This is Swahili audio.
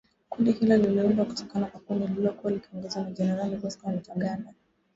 Kundi hilo liliundwa kutoka kwa kundi lililokuwa likiongozwa na Generali Bosco Ntaganda